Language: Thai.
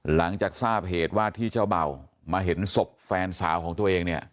หลังจากทราบเหตุว่าที่เจ้าเบ่ามาเห็นศพแฟนสาวของตัวเองเนี่ย